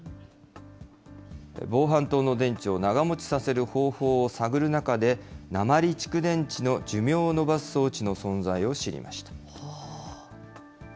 防犯灯の電池を長持ちさせる方法を探る中で、鉛蓄電池の寿命を延ばす装置の存在を知りました。